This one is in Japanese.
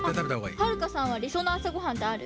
はるかさんはりそうのあさごはんってある？